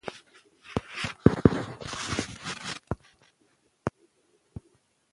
سرعت سفر ته نوی رنګ نه ورکوي.